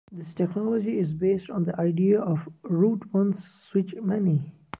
This technology is based on the idea of "route once, switch many".